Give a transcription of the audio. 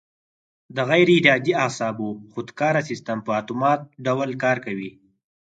د غیر ارادي اعصابو خودکاره سیستم په اتومات ډول کار کوي.